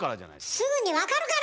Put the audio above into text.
すぐにわかるから！